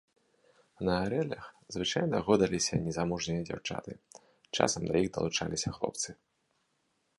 На арэлях звычайна гойдаліся незамужнія дзяўчаты, часам да іх далучаліся хлопцы.